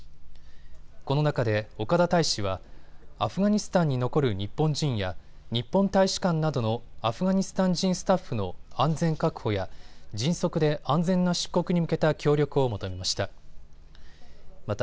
この中で岡田大使はアフガニスタンに残る日本人や日本大使館などのアフガニスタン人スタッフの安全確保や迅速で安全な出国に向けた協力を求めました。